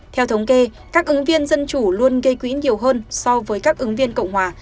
theo thống kê các ứng viên dân chủ luôn gây quỹ nhiều hơn so với các ứng viên cộng hòa